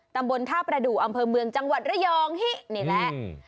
ตำบลท่าประดูกอำเภอเมืองจังหวัดระยองฮินี่แหละ